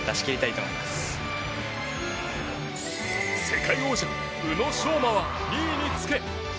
世界王者、宇野昌磨は２位につけ